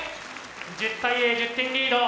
１０対０１０点リード。